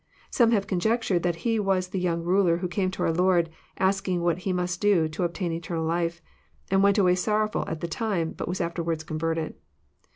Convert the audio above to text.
Some have conjectured that he was the young ruler who came to our Lord, asking what he must do to obtain eternal life, — and went away sorrowful at the time, bat was afterwards converted.